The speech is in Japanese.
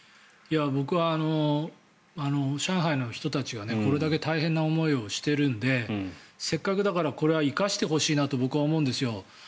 僕は上海の人たちがこれだけ大変な思いをしているのでせっかくだからこれは生かしてほしいなと僕は思うんですよ。